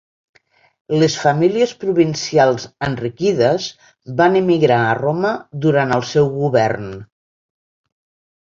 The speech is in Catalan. Les famílies provincials enriquides van emigrar a Roma durant el seu govern.